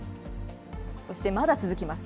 そしてまだ続きます。